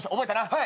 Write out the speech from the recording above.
はい。